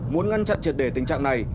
muốn ngăn chặn triệt để tình trạng này